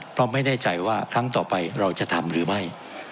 เพราะไม่แน่ใจว่าครั้งต่อไปเราจะทำหรือไม่